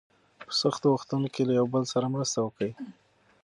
په سختو وختونو کې یو بل سره مرسته وکړئ.